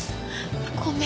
ごめん！